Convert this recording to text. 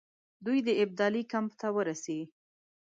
دوی د ابدالي کمپ ته ورسي.